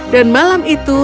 dan malam itu